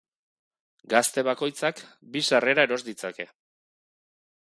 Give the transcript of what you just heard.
Gazte bakoitzak bi sarrera eros ditzake.